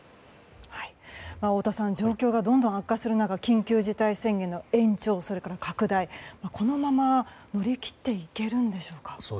太田さん状況がどんどん悪化する中緊急事態宣言の延長それから拡大、このまま乗り切っていけるんでしょうか。